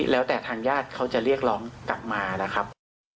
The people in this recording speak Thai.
แล้วแต่ทางญาติเขาจะเรียกร้องกลับมานะครับ